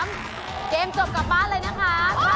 เกมจบกลับบ้านเลยนะคะ